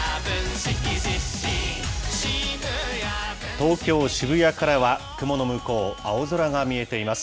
東京・渋谷からは、雲の向こう、青空が見えています。